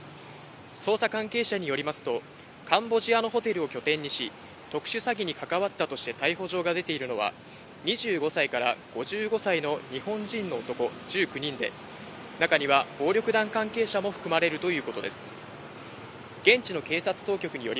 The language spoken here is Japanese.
捜査関係者によりますと、カンボジアのホテルを拠点にし、特殊詐欺に関わったとして逮捕状が出ているのは、２５歳から５５歳の日本人の男１９人で、中には暴力団関係者も含まれるということです。